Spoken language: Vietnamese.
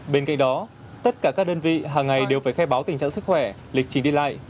bên cạnh đó tất cả các đơn vị hàng ngày đều phải khai báo tình trạng sức khỏe lịch trình đi lại